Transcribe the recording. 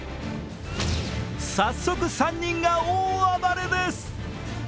早速、３人が大暴れです！